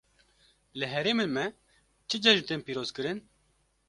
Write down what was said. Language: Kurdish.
Li herêmên me çi cejn tên pîrozkirin?